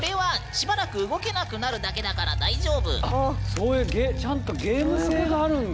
そういうちゃんとゲーム性があるんだ。